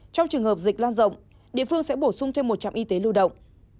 trong trường hợp dịch lan rộng địa phương sẽ bổ sung thêm một trạm y tế lưu động